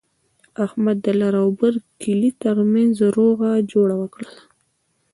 احمد د لر او بر کلي ترمنځ روغه جوړه وکړله.